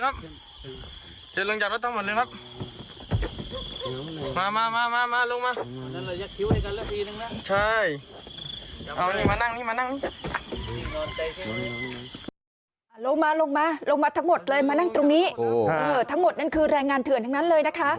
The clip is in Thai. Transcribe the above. ทั้งหมดนั้นคือแรงงานเถือนทั้งนั้นเลยนะคะ